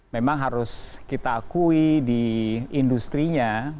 memang harus kita akui di industrinya